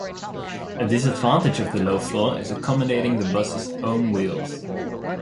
A disadvantage of the low floor is accommodating the bus's own wheels.